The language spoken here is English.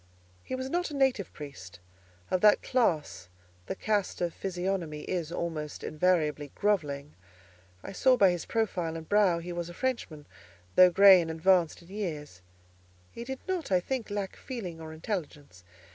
He was not a native priest: of that class, the cast of physiognomy is, almost invariably, grovelling: I saw by his profile and brow he was a Frenchman; though grey and advanced in years, he did not, I think, lack feeling or intelligence.